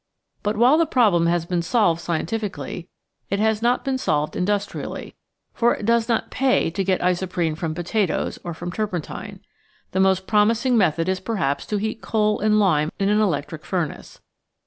But while the problem has been solved scientificially, it has not been solved industrially. For it does not pay to get isoprene from potatoes or from tur pentine. The most promising method is perhaps to heat coal and lime in an electric furnace.